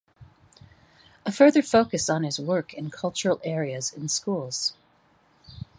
A further focus is his work in cultural areas in schools.